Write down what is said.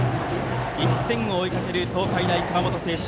１点を追いかける東海大熊本星翔。